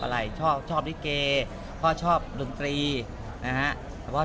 แต่ที่พ่อชอบแน่พ่อชอบมีเมียเยอะ